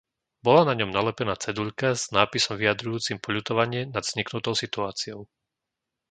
Bola na ňom nalepená ceduľka s nápisom vyjadrujúcim poľutovanie nad vzniknutou situáciou.